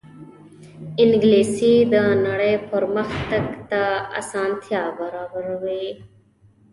انګلیسي د نړۍ پرمخ تګ ته اسانتیا برابروي